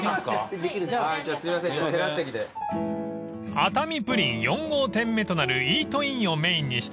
［熱海プリン４号店目となるイートインをメインにした］